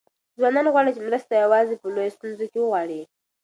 ځوانان غواړي مرسته یوازې په لویو ستونزو کې وغواړي.